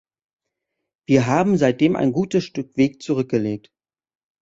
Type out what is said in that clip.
Wir haben seitdem ein gutes Stück Weg zurückgelegt.